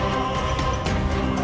dan strive membuka